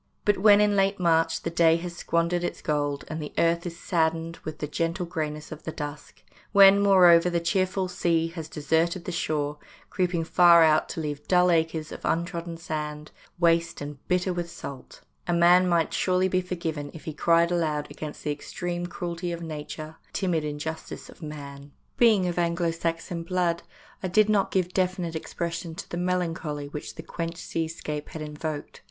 But when in late March the day has squandered its gold, and the earth is saddened with the gentle greyness of the dusk, when, more over, the cheerful sea has deserted the shore, creeping far out to leave dull acres of un trodden sand, waste and bitter with salt, a STAGE CHILDREN 85 man might surely be forgiven if he cried aloud against the extreme cruelty of Nature, the timid injustice of man. Being of Anglo Saxon blood, I did not give definite expression to the melancholy which the quenched seascape had invoked.